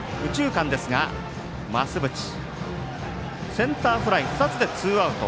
センターフライ２つでツーアウト。